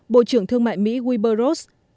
bộ trưởng thương mại mỹ weber ross